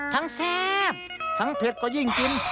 แซ่บทั้งเผ็ดก็ยิ่งกิน